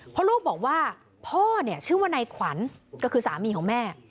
เพราะลูกบอกว่าพ่อเนี่ยชื่อว่านายขวัญก็คือสามีของแม่